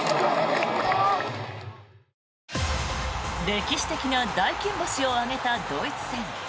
歴史的な大金星を挙げたドイツ戦。